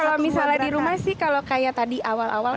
jadi kalau misalnya di rumah sih kalau kayak tadi awal awal tuh